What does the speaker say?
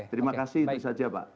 terima kasih itu saja pak